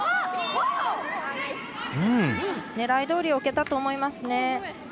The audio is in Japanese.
狙いどおり置けたと思いますね。